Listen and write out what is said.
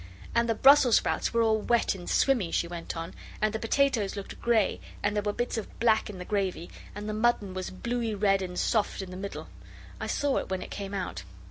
'And the brussels sprouts were all wet and swimmy,' she went on, 'and the potatoes looked grey and there were bits of black in the gravy and the mutton was bluey red and soft in the middle. I saw it when it came out.